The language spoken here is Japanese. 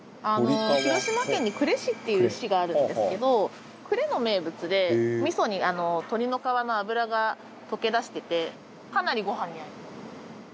広島県に呉市っていう市があるんですけど呉の名物で味噌に鶏の皮の脂が溶け出しててかなりご飯に合います。